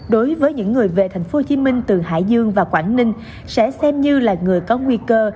đối với những người về tp hcm từ hải dương và quảng ninh sẽ xem như là người có nguy cơ